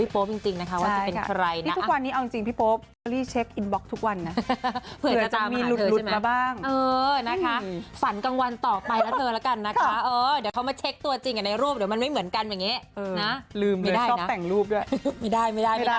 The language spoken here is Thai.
พี่โป๊ปอยากอยู่เงียบไงแต่นิ้วพี่โป๊ปมันไม่เงียบด้วยไง